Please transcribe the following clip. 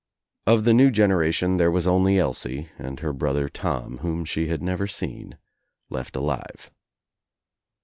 Of the new generation there was only Elsie and her brother Tom, whom she had never seen, left aUve.